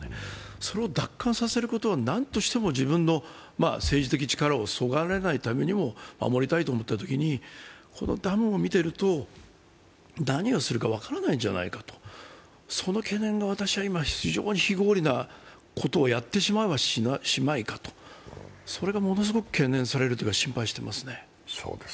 それを奪還させることは何としても自分の政治的力をそれがないためにも守りたいと思ったときに、このダムを見ていると何をするか分からないんじゃないかとその懸念が今、非常に非合理なことをやってしまいはしないか、それがものすごく懸念されるというか、心配していますね。